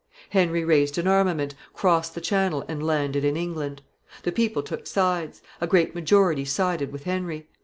Henry raised an armament, crossed the Channel, and landed in England. The people took sides. A great majority sided with Henry.